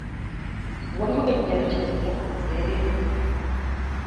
Waliwo ekirala kye mutakoze?